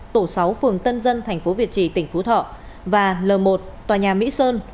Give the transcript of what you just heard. tổ sáu phường tân dân tp việt trì tỉnh phú thọ và l một tòa nhà mỹ sơn